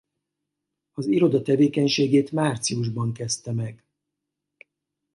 Az iroda tevékenységét márciusában kezdte meg.